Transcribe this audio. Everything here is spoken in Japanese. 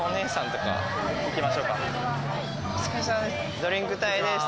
お疲れさまです。